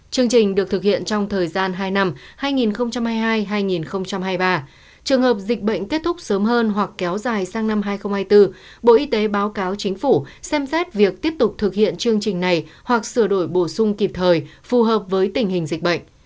chương trình được thực hiện trong thời gian hai năm hai nghìn hai mươi hai hai nghìn hai mươi ba trường hợp dịch bệnh kết thúc sớm hơn hoặc kéo dài sang năm hai nghìn hai mươi bốn bộ y tế báo cáo chính phủ xem xét việc tiếp tục thực hiện chương trình này hoặc sửa đổi bổ sung kịp thời phù hợp với tình hình dịch bệnh